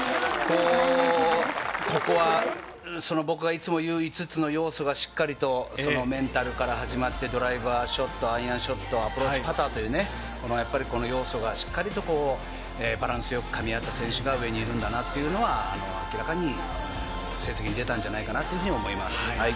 ここは僕がいつもいう５つの要素がしっかりとメンタルから始まってドライバーショット、アイアンショット、アプローチ、パター、この要素がしっかりとバランスよくかみ合った選手が上にいるんだなっていうのは明らかに成績に出たんじゃないかと思います。